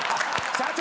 社長！